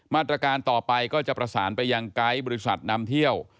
มาตรการต่อไปก็จะประสานไปยังไกด์บริษัทนำเที่ยว